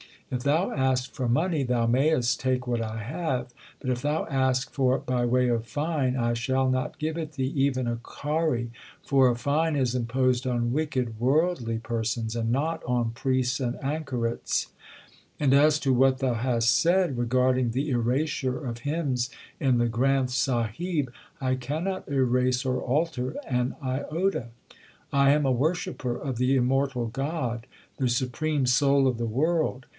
If thou ask for money thou mayest take what I have ; but if thou ask for it by way of fine I shall not give thee even a kauri, for a fine is imposed on wicked worldly persons and not on priests and anchorets. And as to what thou hast said regarding the erasure of hymns in the Granth Sahib, I cannot erase or alter an iota. I am a worshipper of the Immortal God, the Supreme Soul of the world.